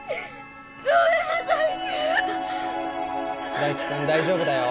大輝君大丈夫だよ。